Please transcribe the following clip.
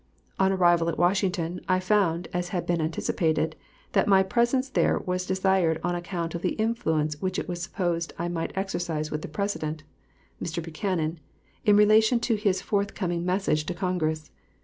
On arrival at Washington, I found, as had been anticipated, that my presence there was desired on account of the influence which it was supposed I might exercise with the President (Mr. Buchanan) in relation to his forthcoming message to Congress.